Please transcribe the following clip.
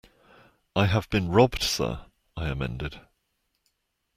I have been robbed, sir, I amended.